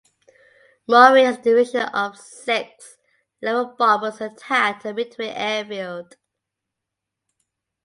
Mori and his division of six level bombers attacked the Midway airfield.